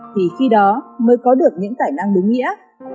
thì khi đó mới có được những tài năng đúng nghĩa